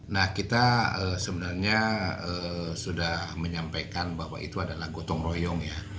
nah kita sebenarnya sudah menyampaikan bahwa itu adalah gotong royong ya